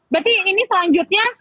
berarti ini selanjutnya